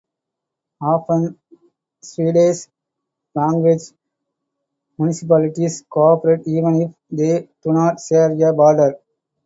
Often Swedish-language municipalities cooperate even if they do not share a border.